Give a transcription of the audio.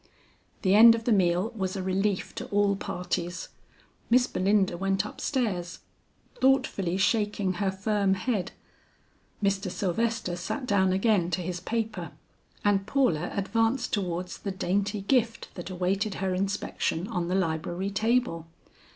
The end of the meal was a relief to all parties. Miss Belinda went up stairs, thoughtfully shaking her firm head; Mr. Sylvester sat down again to his paper, and Paula advanced towards the dainty gift that awaited her inspection on the library table.